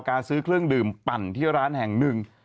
การซื้อเครื่องดื่มปั่นที่ร้านแห่งหนึ่ง